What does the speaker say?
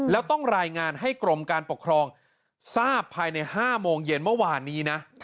แล้วต้องรายงานให้กรมการปกครองทราบภายใน๕โมงเย็นเมื่อวานนี้นะ